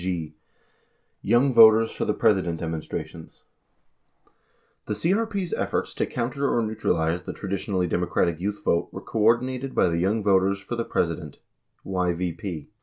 43 g. Yowng Voters for the President Demonstrations The CRP's efforts to counter or neutralize the traditionally Demo cratic youth vote were coordinated by the Young Voters for the Presi dent (YVP).